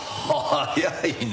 早いね！